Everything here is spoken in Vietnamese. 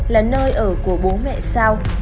là nơi ở của bố mẹ sao